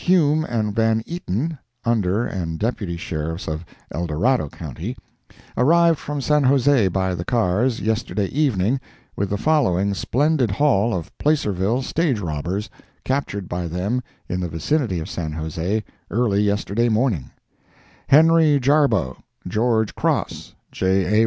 Hume and Van Eaton, Under and Deputy Sheriffs of El Dorado county, arrived from San Jose by the cars, yesterday evening, with the following splendid haul of Placerville stage robbers, captured by them in the vicinity of San Jose, early yesterday morning: Henry Jarbo, George Cross, J. A.